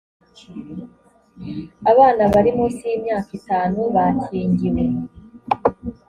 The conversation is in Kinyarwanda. abana bari munsi y’imyaka itanu bakingiwe